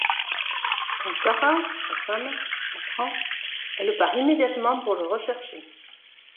Quand Sarah, sa femme, l'apprend, elle part immédiatement pour le rechercher.